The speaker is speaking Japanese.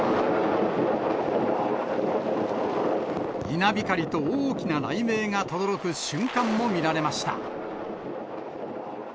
稲光と大きな雷鳴がとどろく瞬間も見られました。